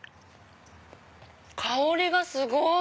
香りがすごい！